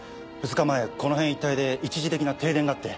２日前この辺一帯で一時的な停電があって。